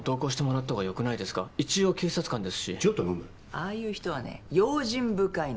ああいう人はね用心深いの。